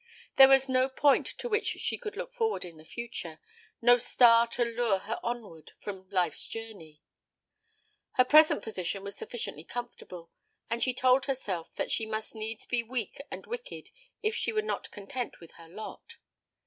There was no point to which she could look forward in the future, no star to lure her onward upon life's journey. Her present position was sufficiently comfortable; and she told herself that she must needs be weak and wicked if she were not content with her lot.